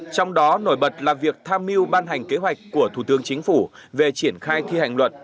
trong đó nổi bật là việc tham mưu ban hành kế hoạch của thủ tướng chính phủ về triển khai thi hành luật